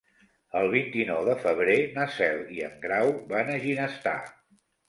El vint-i-nou de febrer na Cel i en Grau van a Ginestar.